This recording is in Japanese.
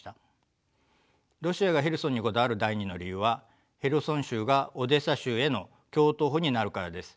ロシアがヘルソンにこだわる第２の理由はヘルソン州がオデーサ州への橋頭保になるからです。